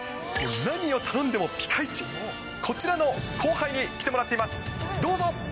何を頼んでもピカイチ、こちらの後輩に来てもらっています。